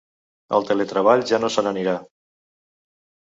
El teletreball ja no se n’anirà.